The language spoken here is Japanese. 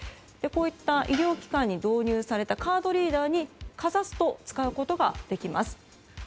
こういった医療機関に導入されたカードリーダーにかざすと使うことができます。